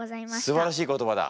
すばらしい言葉だ。